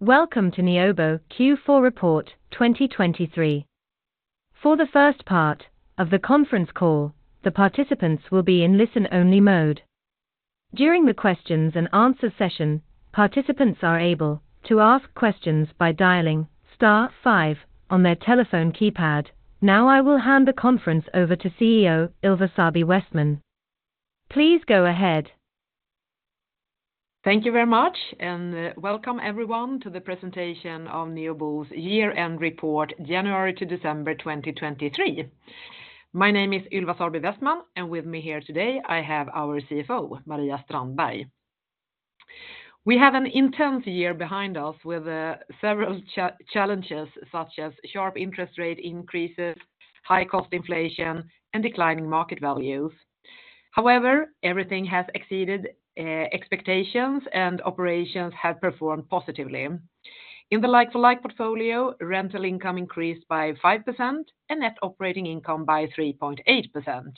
Welcome to Neobo Q4 report 2023. For the first part of the conference call, the participants will be in listen-only mode. During the questions-and-answers session, participants are able to ask questions by dialing star five on their telephone keypad. Now I will hand the conference over to CEO Ylva Sarby Westman. Please go ahead. Thank you very much, and welcome everyone to the presentation of Neobo's year-end report January to December 2023. My name is Ylva Sarby Westman, and with me here today I have our CFO, Maria Strandberg. We have an intense year behind us with several challenges such as sharp interest rate increases, high-cost inflation, and declining market values. However, everything has exceeded expectations, and operations have performed positively. In the like-for-like portfolio, rental income increased by 5% and net operating income by 3.8%.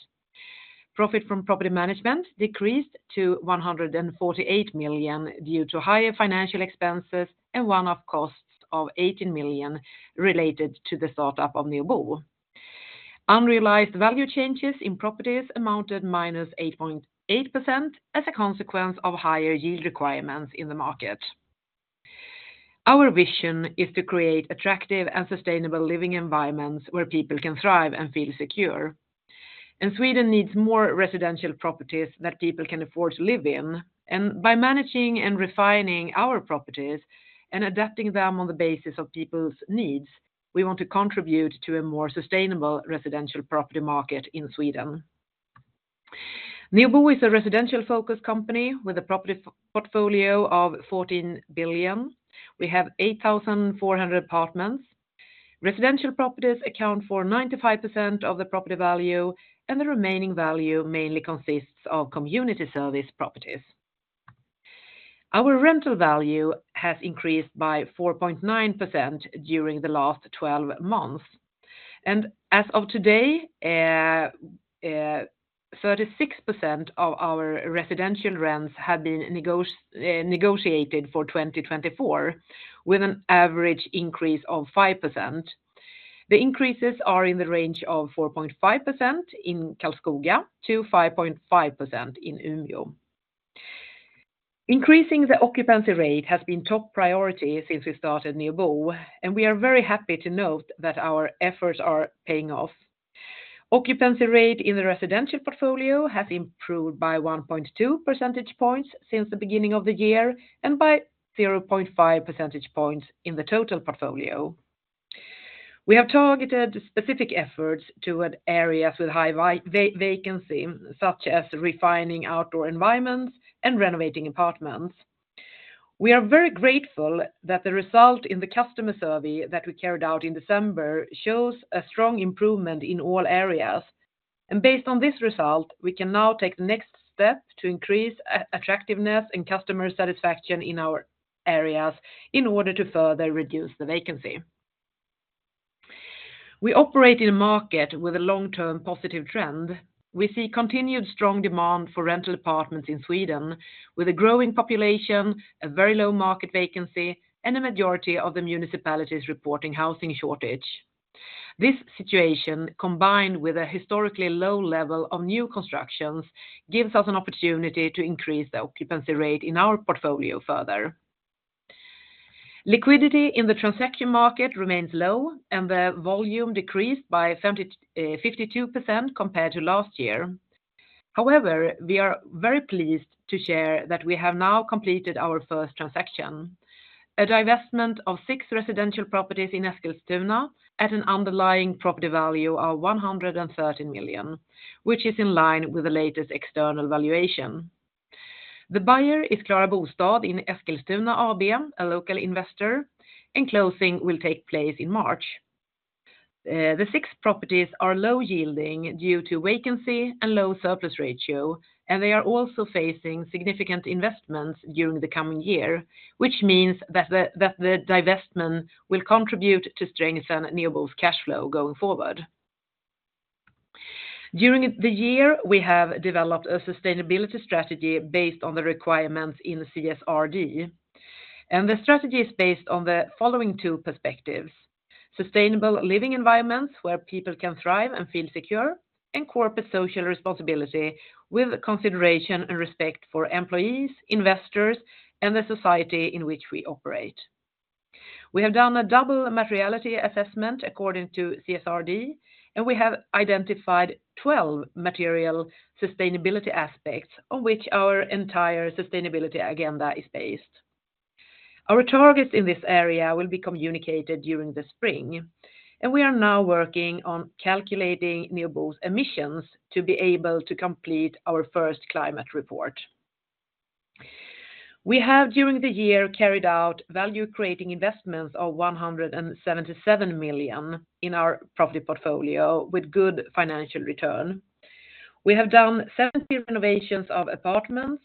Profit from property management decreased to 148 million due to higher financial expenses and one-off costs of 18 million related to the startup of Neobo. Unrealized value changes in properties amounted to -8.8% as a consequence of higher yield requirements in the market. Our vision is to create attractive and sustainable living environments where people can thrive and feel secure. Sweden needs more residential properties that people can afford to live in, and by managing and refining our properties and adapting them on the basis of people's needs, we want to contribute to a more sustainable residential property market in Sweden. Neobo is a residential-focused company with a property portfolio of 14 billion. We have 8,400 apartments. Residential properties account for 95% of the property value, and the remaining value mainly consists of community service properties. Our rental value has increased by 4.9% during the last 12 months, and as of today, 36% of our residential rents have been negotiated for 2024 with an average increase of 5%. The increases are in the range of 4.5% in Karlskoga to 5.5% in Umeå. Increasing the occupancy rate has been top priority since we started Neobo, and we are very happy to note that our efforts are paying off. Occupancy rate in the residential portfolio has improved by 1.2 percentage points since the beginning of the year and by 0.5 percentage points in the total portfolio. We have targeted specific efforts toward areas with high vacancy, such as refining outdoor environments and renovating apartments. We are very grateful that the result in the customer survey that we carried out in December shows a strong improvement in all areas, and based on this result, we can now take the next step to increase attractiveness and customer satisfaction in our areas in order to further reduce the vacancy. We operate in a market with a long-term positive trend. We see continued strong demand for rental apartments in Sweden, with a growing population, a very low market vacancy, and a majority of the municipalities reporting housing shortage. This situation, combined with a historically low level of new constructions, gives us an opportunity to increase the occupancy rate in our portfolio further. Liquidity in the transaction market remains low, and the volume decreased by 52% compared to last year. However, we are very pleased to share that we have now completed our first transaction: a divestment of six residential properties in Eskilstuna at an underlying property value of 113 million, which is in line with the latest external valuation. The buyer is Klara Bostad i Eskilstuna AB, a local investor, and closing will take place in March. The six properties are low-yielding due to vacancy and low surplus ratio, and they are also facing significant investments during the coming year, which means that the divestment will contribute to strengthen Neobo's cash flow going forward. During the year, we have developed a sustainability strategy based on the requirements in CSRD, and the strategy is based on the following two perspectives: sustainable living environments where people can thrive and feel secure, and corporate social responsibility with consideration and respect for employees, investors, and the society in which we operate. We have done a Double Materiality Assessment according to CSRD, and we have identified 12 material sustainability aspects on which our entire sustainability agenda is based. Our targets in this area will be communicated during the spring, and we are now working on calculating Neobo's emissions to be able to complete our first climate report. We have, during the year, carried out value-creating investments of 177 million in our property portfolio with good financial return. We have done 17 renovations of apartments,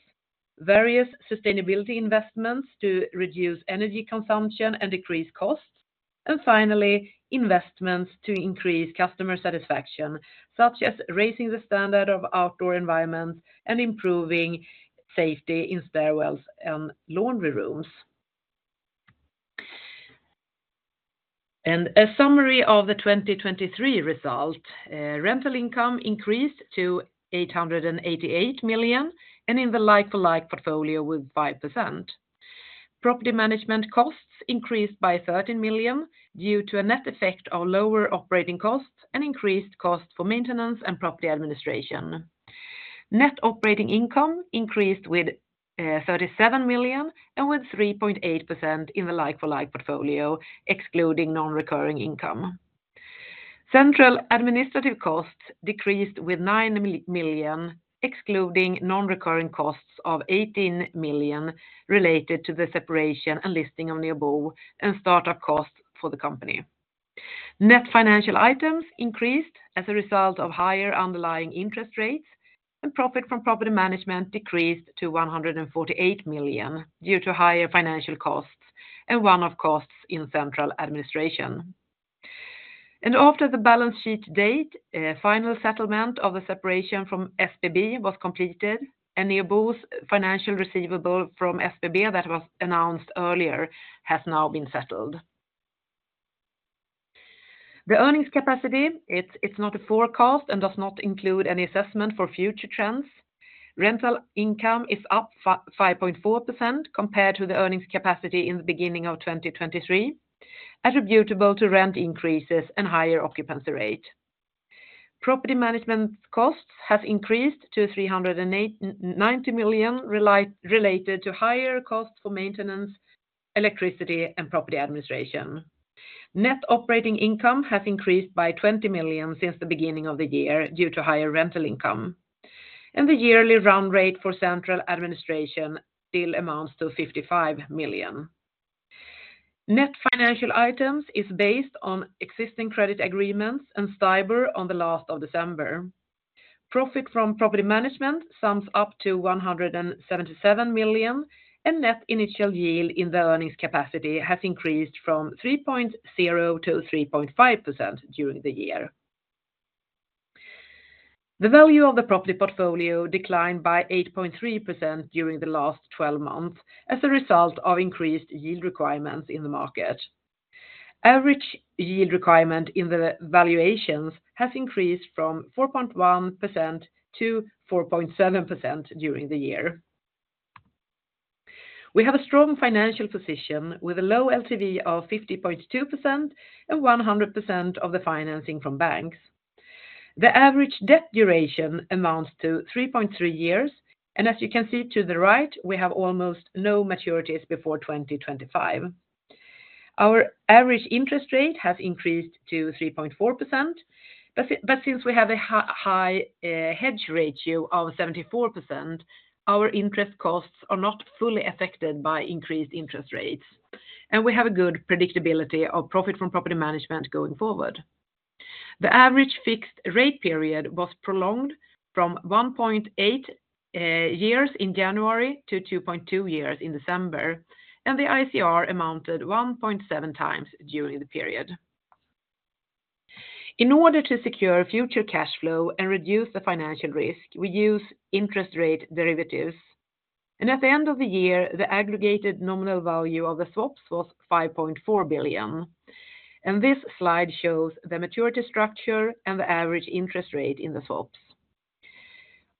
various sustainability investments to reduce energy consumption and decrease costs, and finally investments to increase customer satisfaction, such as raising the standard of outdoor environments and improving safety in stairwells and laundry rooms. A summary of the 2023 result: rental income increased to 888 million and in the like-for-like portfolio with 5%. Property management costs increased by 13 million due to a net effect of lower operating costs and increased costs for maintenance and property administration. Net operating income increased with 37 million and with 3.8% in the like-for-like portfolio, excluding non-recurring income. Central administrative costs decreased with 9 million, excluding non-recurring costs of 18 million related to the separation and listing of Neobo and startup costs for the company. Net financial items increased as a result of higher underlying interest rates, and profit from property management decreased to 148 million due to higher financial costs and one-off costs in central administration. After the balance sheet date, final settlement of the separation from SBB was completed, and Neobo's financial receivable from SBB that was announced earlier has now been settled. The earnings capacity: it's not a forecast and does not include any assessment for future trends. Rental income is up 5.4% compared to the earnings capacity in the beginning of 2023, attributable to rent increases and higher occupancy rate. Property management costs have increased to 390 million related to higher costs for maintenance, electricity, and property administration. Net operating income has increased by 20 million since the beginning of the year due to higher rental income, and the yearly run rate for central administration still amounts to 55 million. Net financial items is based on existing credit agreements and STIBOR on the last of December. Profit from property management sums up to 177 million, and net initial yield in the earnings capacity has increased from 3.0%-3.5% during the year. The value of the property portfolio declined by 8.3% during the last 12 months as a result of increased yield requirements in the market. Average yield requirement in the valuations has increased from 4.1%-4.7% during the year. We have a strong financial position with a low LTV of 50.2% and 100% of the financing from banks. The average debt duration amounts to 3.3 years, and as you can see to the right, we have almost no maturities before 2025. Our average interest rate has increased to 3.4%, but since we have a high hedge ratio of 74%, our interest costs are not fully affected by increased interest rates, and we have a good predictability of profit from property management going forward. The average fixed rate period was prolonged from one point eight years in January to two point two years in December, and the ICR amounted 1.7x during the period. In order to secure future cash flow and reduce the financial risk, we use interest rate derivatives, and at the end of the year, the aggregated nominal value of the swaps was 5.4 billion, and this slide shows the maturity structure and the average interest rate in the swaps.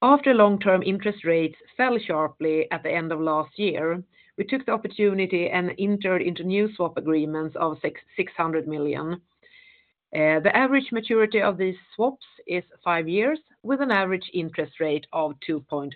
After long-term interest rates fell sharply at the end of last year, we took the opportunity and entered into new swap agreements of 600 million. The average maturity of these swaps is five years with an average interest rate of 2.6%.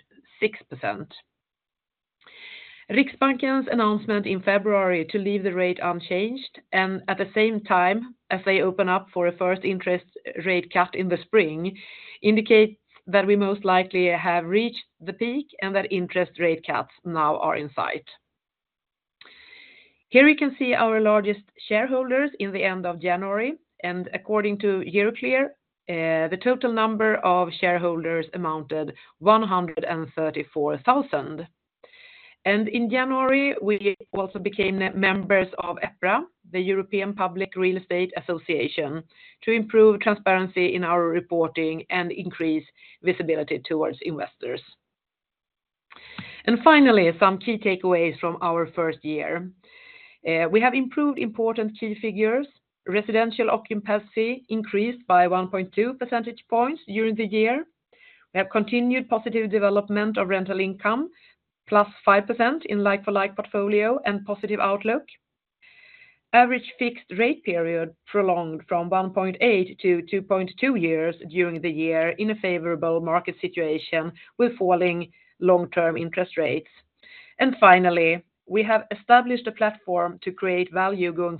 Riksbanken's announcement in February to leave the rate unchanged and at the same time as they open up for a first interest rate cut in the spring indicates that we most likely have reached the peak and that interest rate cuts now are in sight. Here you can see our largest shareholders in the end of January, and according to Euroclear, the total number of shareholders amounted to 134,000. In January, we also became members of EPRA, the European Public Real Estate Association, to improve transparency in our reporting and increase visibility towards investors. And finally, some key takeaways from our first year: we have improved important key figures, residential occupancy increased by 1.2 percentage points during the year, we have continued positive development of rental income +5% in like-for-like portfolio and positive outlook, average fixed rate period prolonged from one point eight years to two point two years during the year in a favorable market situation with falling long-term interest rates, and finally, we have established a platform to create value going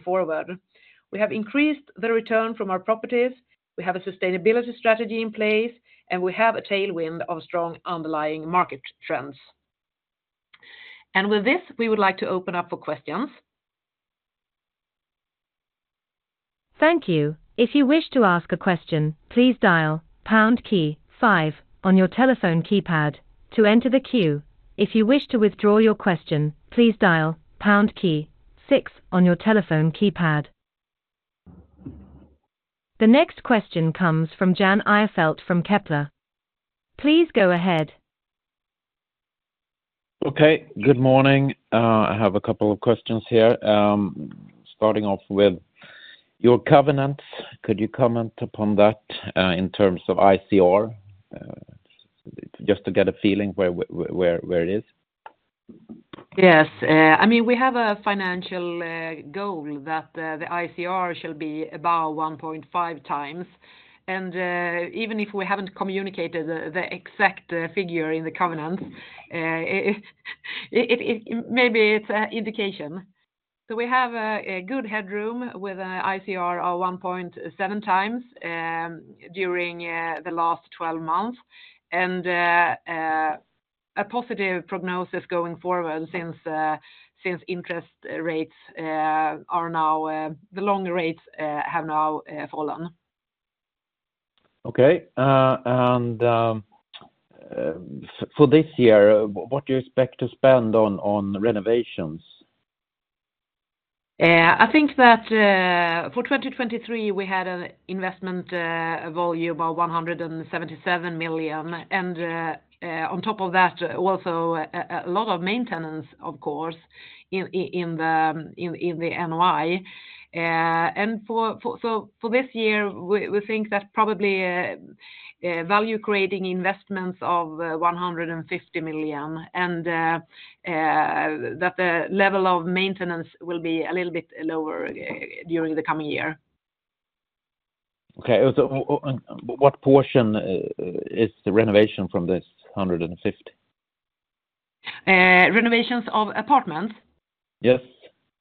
forward. We have increased the return from our properties, we have a sustainability strategy in place, and we have a tailwind of strong underlying market trends. And with this, we would like to open up for questions. Thank you. If you wish to ask a question, please dial pound key five on your telephone keypad to enter the queue. If you wish to withdraw your question, please dial pound key six on your telephone keypad. The next question comes from Jan Ihrfelt from Kepler. Please go ahead. Okay. Good morning. I have a couple of questions here. Starting off with your covenants, could you comment upon that in terms of ICR, just to get a feeling where it is? Yes. I mean, we have a financial goal that the ICR shall be about 1.5x, and even if we haven't communicated the exact figure in the covenants, maybe it's an indication. So we have a good headroom with an ICR of 1.7x during the last 12 months and a positive prognosis going forward since interest rates are now the long rates have now fallen. Okay. For this year, what do you expect to spend on renovations? I think that for 2023, we had an investment volume of about 177 million, and on top of that, also a lot of maintenance, of course, in the NOI. So for this year, we think that probably value-creating investments of 150 million and that the level of maintenance will be a little bit lower during the coming year. Okay. What portion is renovation from this 150 million? Renovations of apartments? Yes.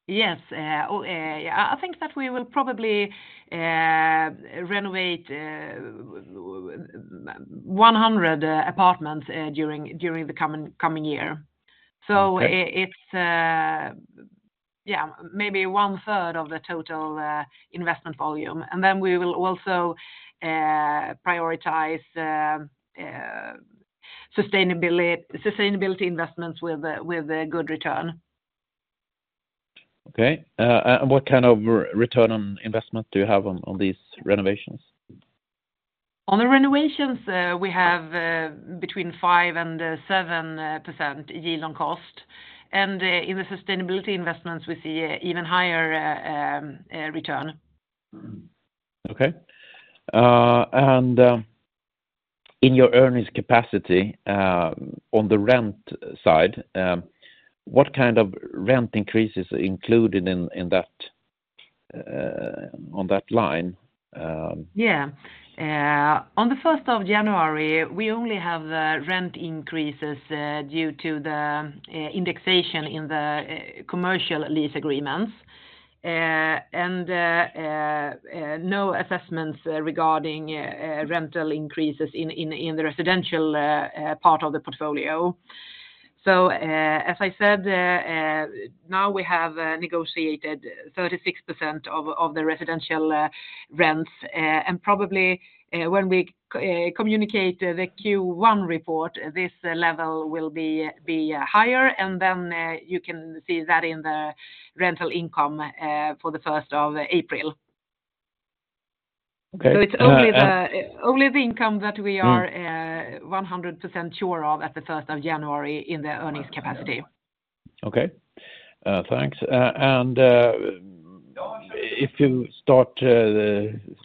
Yes. I think that we will probably renovate 100 apartments during the coming year. So it's, yeah, maybe one-third of the total investment volume, and then we will also prioritize sustainability investments with a good return. Okay. And what kind of return on investment do you have on these renovations? On the renovations, we have between 5% and 7% yield on cost, and in the sustainability investments, we see even higher return. Okay. And in your earnings capacity, on the rent side, what kind of rent increases are included on that line? Yeah. On the 1st of January, we only have the rent increases due to the indexation in the commercial lease agreements and no assessments regarding rental increases in the residential part of the portfolio. So as I said, now we have negotiated 36% of the residential rents, and probably when we communicate the Q1 report, this level will be higher, and then you can see that in the rental income for the 1st of April. So it's only the income that we are 100% sure of at the 1st of January in the earnings capacity. Okay. Thanks. If you start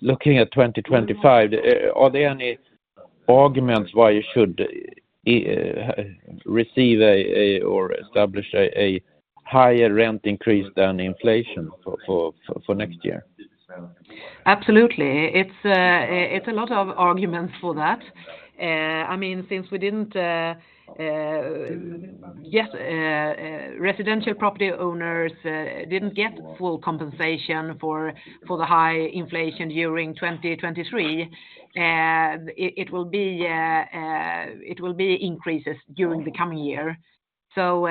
looking at 2025, are there any arguments why you should receive or establish a higher rent increase than inflation for next year? Absolutely. It's a lot of arguments for that. I mean, since we didn't yet, residential property owners didn't get full compensation for the high inflation during 2023. It will be increases during the coming year. So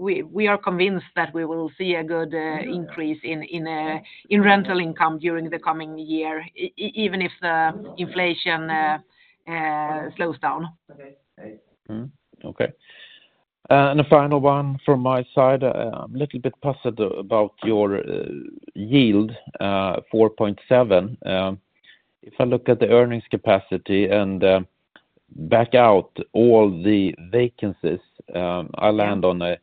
we are convinced that we will see a good increase in rental income during the coming year, even if the inflation slows down. Okay. A final one from my side. I'm a little bit puzzled about your yield, 4.7%. If I look at the earnings capacity and back out all the vacancies, I land on a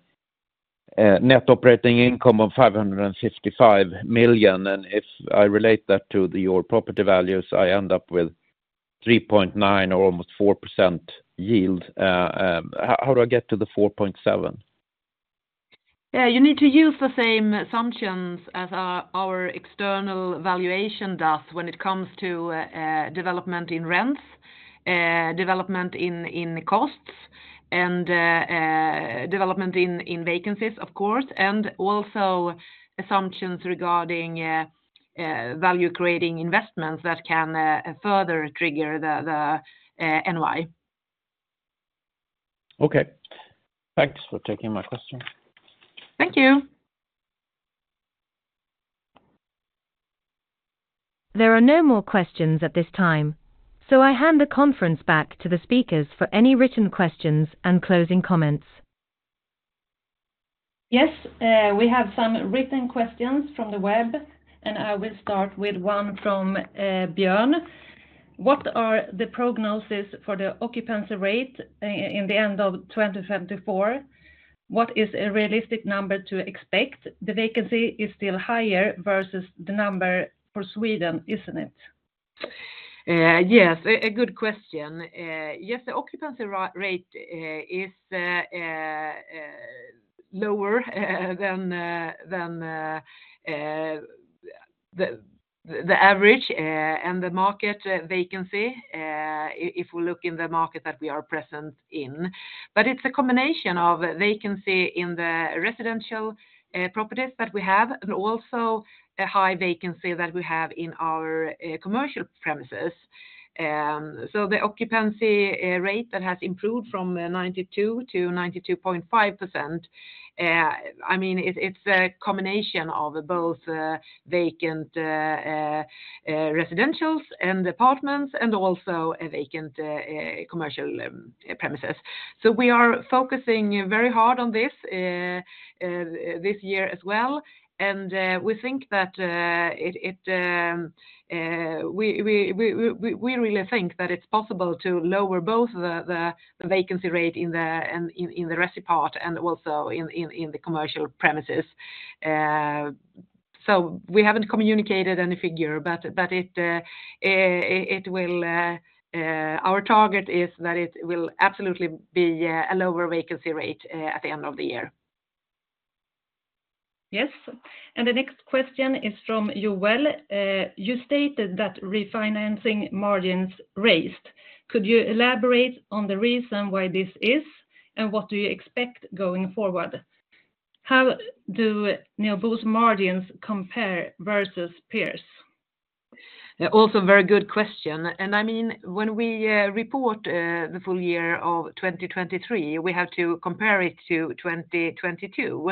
net operating income of 555 million, and if I relate that to your property values, I end up with 3.9% or almost 4% yield. How do I get to the 4.7%? You need to use the same assumptions as our external valuation does when it comes to development in rents, development in costs, and development in vacancies, of course, and also assumptions regarding value-creating investments that can further trigger the NOI. Okay. Thanks for taking my question. Thank you. There are no more questions at this time, so I hand the conference back to the speakers for any written questions and closing comments. Yes. We have some written questions from the web, and I will start with one from Björn. What are the prognoses for the occupancy rate in the end of 2024? What is a realistic number to expect? The vacancy is still higher versus the number for Sweden, isn't it? Yes. A good question. Yes, the occupancy rate is lower than the average and the market vacancy if we look in the market that we are present in. But it's a combination of vacancy in the residential properties that we have and also a high vacancy that we have in our commercial premises. So the occupancy rate that has improved from 92% to 92.5%, I mean, it's a combination of both vacant residentials and apartments and also vacant commercial premises. So we are focusing very hard on this year as well, and we think that it we really think that it's possible to lower both the vacancy rate in the residential part and also in the commercial premises. So we haven't communicated any figure, but it will our target is that it will absolutely be a lower vacancy rate at the end of the year. Yes. And the next question is from Joel. You stated that refinancing margins raised. Could you elaborate on the reason why this is, and what do you expect going forward? How do Neobo's margins compare versus peers? Also very good question. I mean, when we report the full year of 2023, we have to compare it to 2022.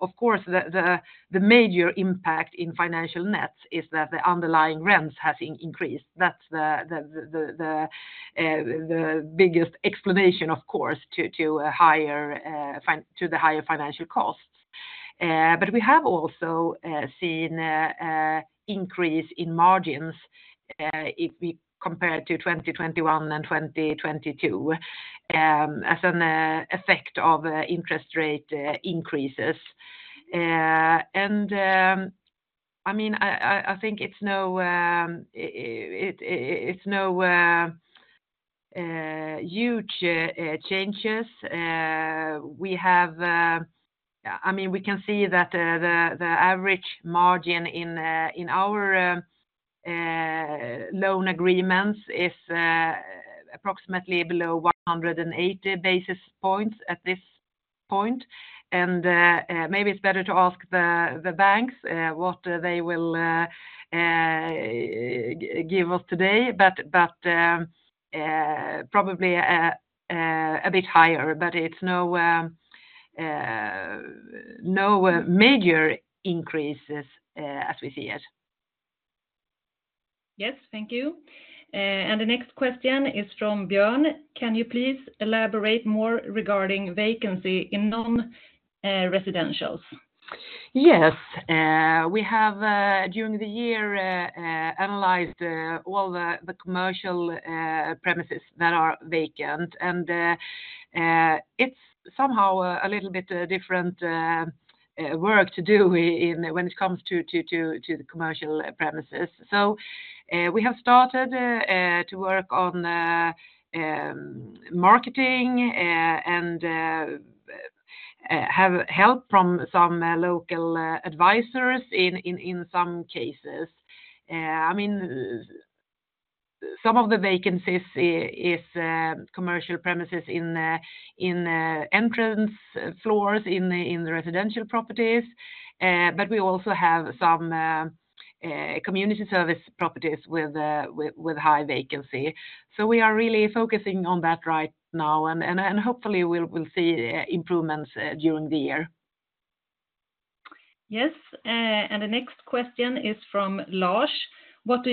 Of course, the major impact in financial nets is that the underlying rents have increased. That's the biggest explanation, of course, to the higher financial costs. But we have also seen an increase in margins if we compare to 2021 and 2022 as an effect of interest rate increases. I mean, I think it's no huge changes. We have I mean, we can see that the average margin in our loan agreements is approximately below 180 basis points at this point. Maybe it's better to ask the banks what they will give us today, but probably a bit higher, but it's no major increases as we see it. Yes. Thank you. And the next question is from Björn. Can you please elaborate more regarding vacancy in non-residentials? Yes. We have, during the year, analyzed all the commercial premises that are vacant, and it's somehow a little bit different work to do when it comes to the commercial premises. So we have started to work on marketing and have help from some local advisors in some cases. I mean, some of the vacancies are commercial premises in entrance floors in residential properties, but we also have some community service properties with high vacancy. So we are really focusing on that right now, and hopefully, we'll see improvements during the year. Yes. The next question is from Lars. What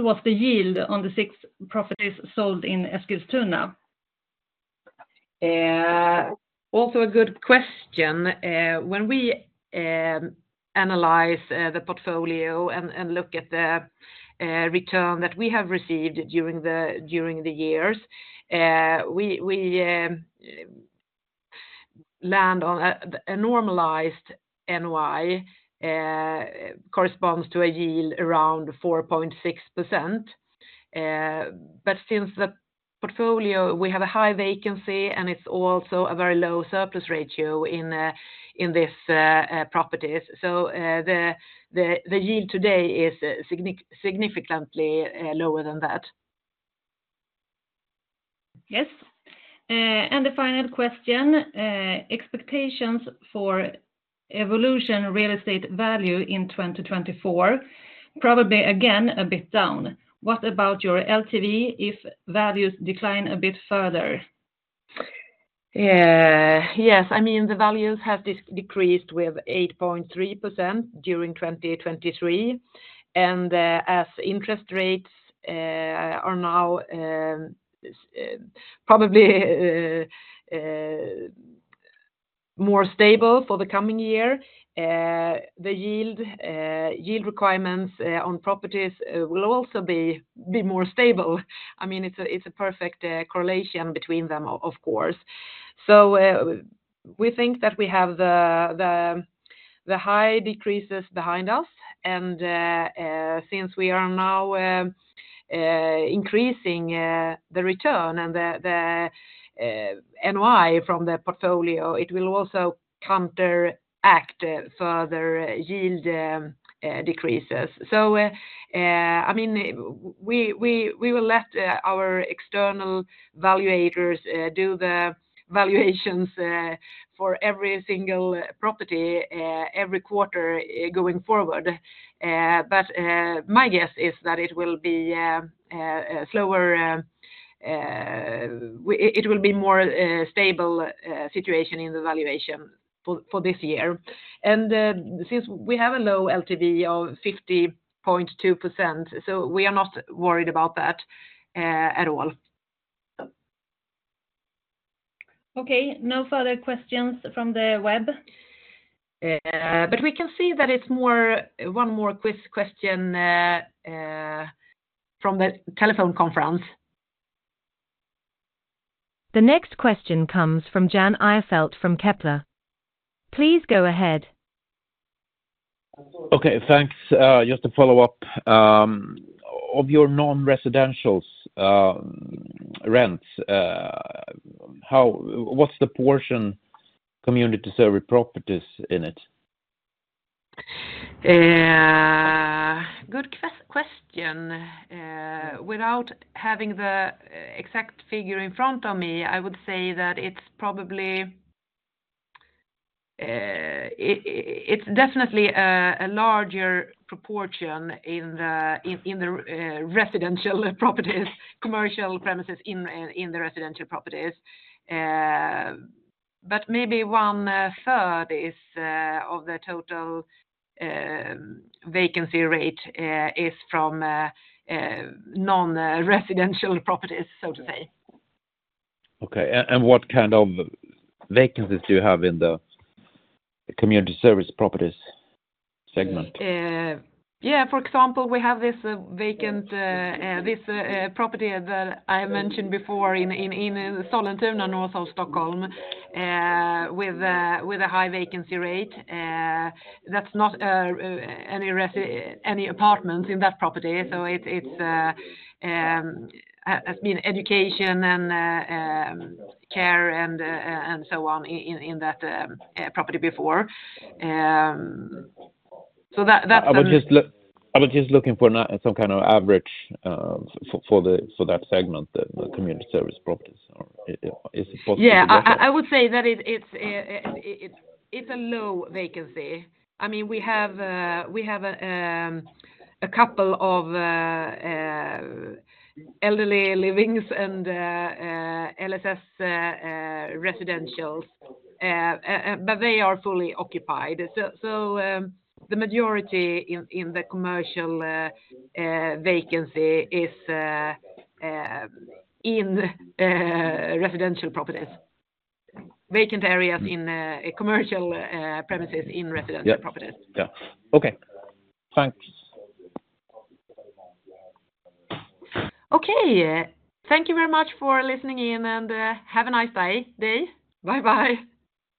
was the yield on the six properties sold in Eskilstuna? Also a good question. When we analyze the portfolio and look at the return that we have received during the years, we land on a normalized NOI corresponds to a yield around 4.6%. But since that portfolio, we have a high vacancy, and it's also a very low surplus ratio in these properties. So the yield today is significantly lower than that. Yes. The final question. Expectations for the evolution of real estate values in 2024, probably again a bit down. What about your LTV if values decline a bit further? Yes. I mean, the values have decreased with 8.3% during 2023, and as interest rates are now probably more stable for the coming year, the yield requirements on properties will also be more stable. I mean, it's a perfect correlation between them, of course. So we think that we have the high decreases behind us, and since we are now increasing the return and the NOI from the portfolio, it will also counteract further yield decreases. So I mean, we will let our external valuators do the valuations for every single property every quarter going forward. But my guess is that it will be a more stable situation in the valuation for this year. And since we have a low LTV of 50.2%, so we are not worried about that at all. Okay. No further questions from the web? We can see that it's one more queued question from the telephone conference. The next question comes from Jan Ihrfelt from Kepler. Please go ahead. Okay. Thanks. Just to follow up, of your non-residential rents, what's the portion community service properties in it? Good question. Without having the exact figure in front of me, I would say that it's probably definitely a larger proportion in the residential properties, commercial premises in the residential properties. But maybe one-third of the total vacancy rate is from non-residential properties, so to say. Okay. What kind of vacancies do you have in the community service properties segment? Yeah. For example, we have this vacant property that I mentioned before in Sollentuna, north of Stockholm, with a high vacancy rate. That's not any apartments in that property, so it's been education and care and so on in that property before. So that's a. I was just looking for some kind of average for that segment, the community service properties. Is it possible to get that? Yeah. I would say that it's a low vacancy. I mean, we have a couple of elderly livings and LSS residentials, but they are fully occupied. So the majority in the commercial vacancy is in residential properties, vacant areas in commercial premises in residential properties. Yeah. Yeah. Okay. Thanks. Okay. Thank you very much for listening in, and have a nice day. Bye-bye.